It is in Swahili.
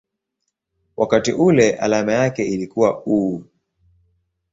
wakati ule alama yake ilikuwa µµ.